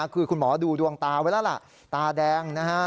คือคุณหมอดูดวงตาไว้แล้วล่ะตาแดงนะฮะ